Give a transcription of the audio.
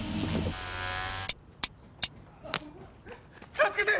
助けて！